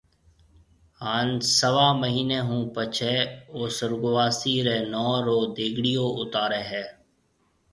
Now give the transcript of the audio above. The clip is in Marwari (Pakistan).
ھان سوا مھيَََنيَ ھون پڇيَ او سُرگواسي رَي نوم رو ديگڙيو اُتارَي ھيََََ